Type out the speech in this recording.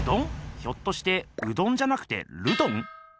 ひょっとしてうどんじゃなくてルドン？